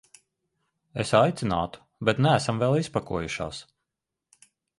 Es aicinātu, bet neesam vēl izpakojušās.